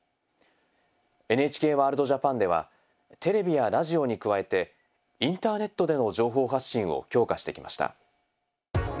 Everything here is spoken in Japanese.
「ＮＨＫワールドＪＡＰＡＮ」ではテレビやラジオに加えてインターネットでの情報発信を強化してきました。